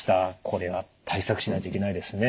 これは対策しないといけないですね。